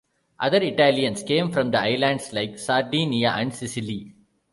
Other Italians came from islands like Sardinia and Sicily.